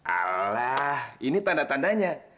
alah ini tanda tandanya